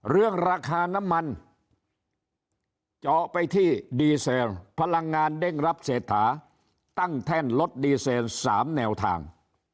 เรื่องราคาน้ำมันเจาะไปที่ดีเซลพลังงานเด้งรับเศรษฐาตั้งแท่นลดดีเซล๓แนวทาง